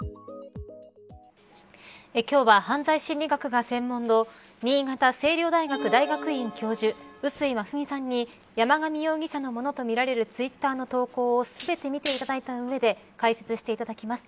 今日は犯罪心理学が専門の新潟青陵大学大学院教授碓井真史さんに山上容疑者のものとみられるツイッターの投稿を全て見ていただいた上で解説していただきます。